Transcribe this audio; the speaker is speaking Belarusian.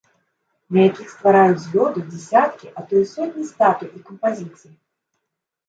На якіх ствараюць з лёду дзесяткі, а то і сотні статуй і кампазіцый.